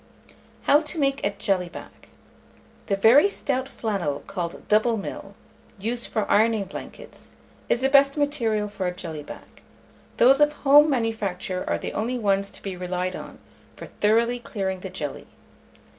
HOW TO MAKE A JELLY BAG. The very stout flannel called double mill, used for ironing blankets, is the best material for a jelly bag: those of home manufacture are the only ones to be relied on for thoroughly clearing the jelly.